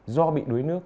do bị đuối nước